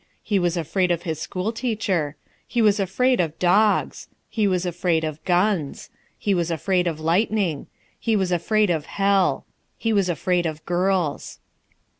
He was afraid of his school teacher. He was afraid of dogs. He was afraid of guns. He was afraid of lightning. He was afraid of hell. He was afraid of girls.